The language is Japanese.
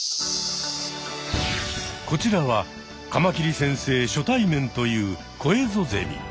こちらはカマキリ先生初対面というコエゾゼミ。